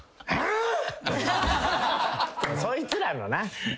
そいつらのな。